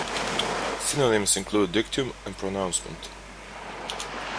Synonyms include dictum and pronouncement.